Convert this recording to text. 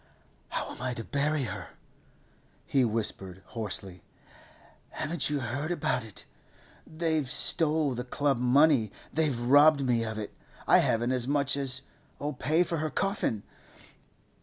'How am I to bury her?' he whispered hoarsely. 'Haven't you heard about it? They've stole the club money; they've robbed me of it; I haven't as much as'll pay for her coffin.